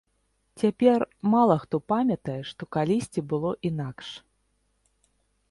Цяпер мала хто памятае, што калісьці было інакш.